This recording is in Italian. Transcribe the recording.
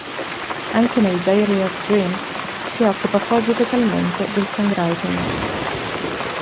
Anche nei Diary of Dreams si occupa quasi totalmente del songwriting.